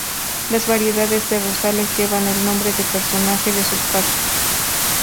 Las variedades de rosales llevan el nombre de personajes de sus partes.